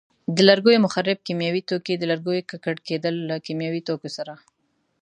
د لرګیو مخرب کیمیاوي توکي: د لرګیو ککړ کېدل له کیمیاوي توکو سره.